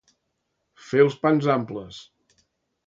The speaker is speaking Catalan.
Fer els pans amples.